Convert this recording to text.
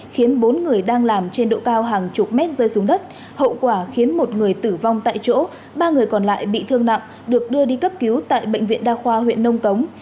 khiến bốn người đang làm trên độ cao hàng chục mét rơi xuống đất hậu quả khiến một người tử vong tại chỗ ba người còn lại bị thương nặng được đưa đi cấp cứu tại bệnh viện đa khoa huyện nông cống